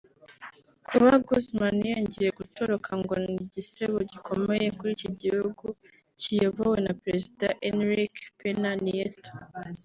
Kuba Guzman yongeye gutoroka ngo ni igisebo gikomeye kuri iki gihugu kiyobowe na Perezida Enrique Pena Nieto